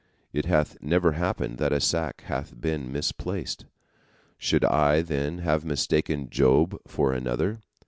It hath never happened that a sac hath been misplaced. Should I, then, have mistaken Job for another?